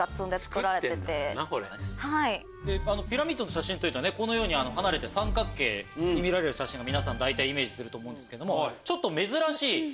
ピラミッドの写真というとこのように離れて三角形に見られる写真イメージすると思うんですけど。